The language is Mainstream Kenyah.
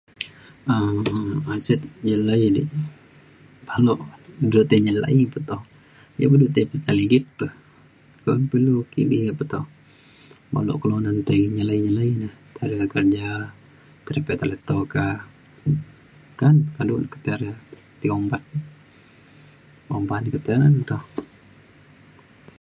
um aset jelai di baluk du tai nyelai pe toh yak pa du pita ligit pa. kumin pa ilu kidi pe toh baluk kelunan tai nyelai nyelai na tai re pita kerja tai re pita leto ka. meka kado ne ketai re ti ompat ba’an ba'an ketai le pe to.